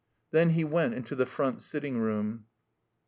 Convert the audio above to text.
Then he went into the front sitting room.